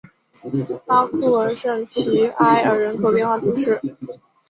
拉库尔圣皮埃尔人口变化图示